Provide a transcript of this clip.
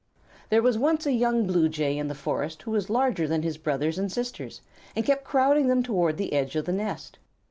There was once a young Blue Jay in the forest who was larger than his brothers and sisters, and kept crowding them toward the edge of the nest.